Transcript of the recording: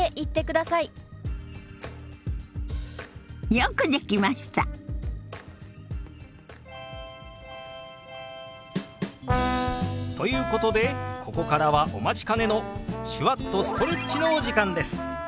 よくできました！ということでここからはお待ちかねの手話っとストレッチのお時間です！